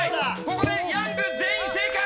ここでヤング全員正解！